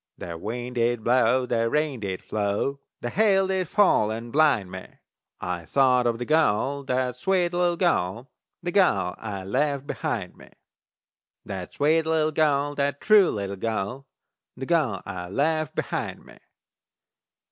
The wind did blow, the rain did flow, The hail did fall and blind me; I thought of that gal, that sweet little gal, That gal I'd left behind me! That sweet little gal, that true little gal, The gal I left behind me!